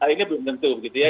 ini belum tentu gitu ya